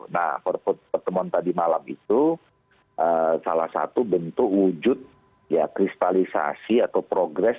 nah pertemuan tadi malam itu salah satu bentuk wujud ya kristalisasi atau progres